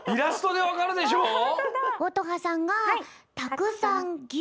乙葉さんが「たくさんぎゅ」。